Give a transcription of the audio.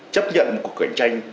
chấp nhận một cuộc cạnh tranh